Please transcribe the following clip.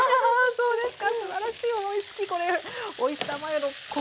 そうですね。